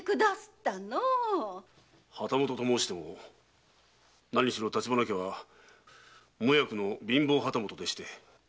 旗本ともうしても何しろ立花家は無役の貧乏旗本でして。